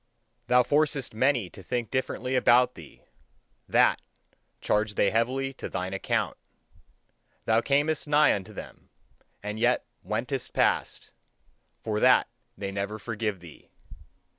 Thou forcest many to think differently about thee; that, charge they heavily to thine account. Thou camest nigh unto them, and yet wentest past: for that they never forgive thee.